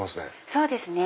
そうですね。